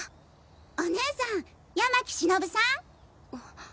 お姉さん山喜忍さん？